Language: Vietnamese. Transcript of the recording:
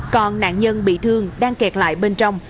còn nạn nhân bị thương đang kẹt lại bên trong